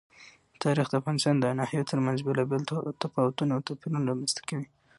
تاریخ د افغانستان د ناحیو ترمنځ بېلابېل تفاوتونه او توپیرونه رامنځ ته کوي.